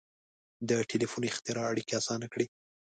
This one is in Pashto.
• د ټیلیفون اختراع اړیکې آسانه کړې.